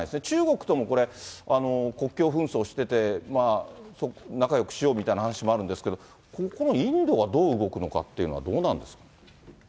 中国ともこれ、国境紛争してて、仲よくしようみたいな話もあるんですけど、ここのインドがどう動くのかっていうのはどうなんですか？